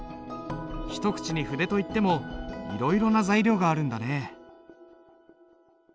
一口に筆といってもいろいろな材料があるんだね。